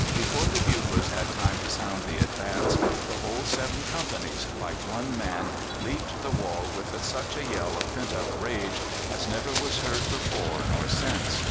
Before the buglers had time to sound the advance the whole seven companies, like one man, leaped the wall with such a yell of pent up rage as never was heard before nor since.